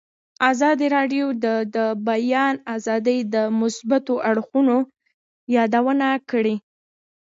ازادي راډیو د د بیان آزادي د مثبتو اړخونو یادونه کړې.